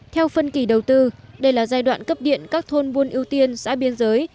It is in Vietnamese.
theo phân kỳ đầu tư đây là giai đoạn cấp điện các thôn buôn ưu tiên xã biên giới